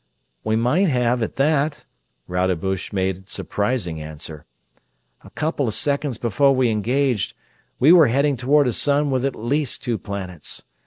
"We might have, at that," Rodebush made surprising answer. "A couple of seconds before we engaged we were heading toward a sun with at least two planets.